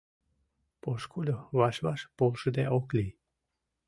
— Пошкудо ваш-ваш полшыде ок лий.